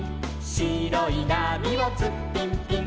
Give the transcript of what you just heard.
「しろいなみをツッピンピン」